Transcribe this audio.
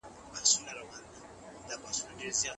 د یتیمانو او کونډو د ساتنې لپاره څه پروګرامونه وو؟